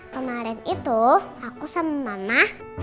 kemarin itu aku sama nana